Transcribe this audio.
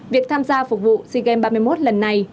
việc tham gia phục vụ sigems ba mươi một lần này